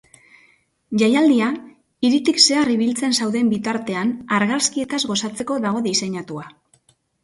Jaialdia hiritik zehar ibiltzen zauden bitartean argazkietaz gozatzeko dago diseinatua.